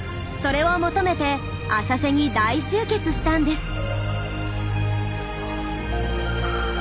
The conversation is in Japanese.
それを求めて浅瀬に大集結したんです。